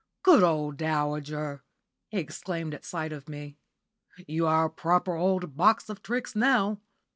"Good old dowager!" he exclaimed at sight of me, "we are a proper old box of tricks now!